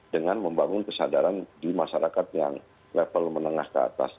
dengan membangun kesadaran di masyarakat yang level menengah ke atas